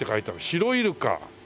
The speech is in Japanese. シロイルカ。